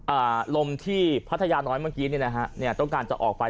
อ่าลมที่พัทยาน้อยเมื่อกี้นี่นะฮะเนี่ยต้องการจะออกไป